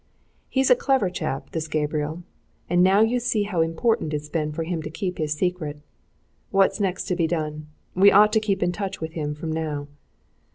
He's a clever chap, this Gabriel and now you can see how important it's been for him to keep his secret. What's next to be done? We ought to keep in touch with him from now."